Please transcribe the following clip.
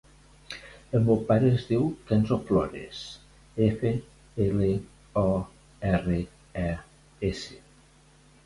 El meu pare es diu Kenzo Flores: efa, ela, o, erra, e, essa.